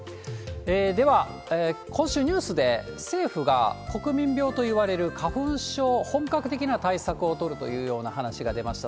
では、今週、ニュースで、政府が国民病といわれる花粉症、本格的な対策を取るというような話が出ました。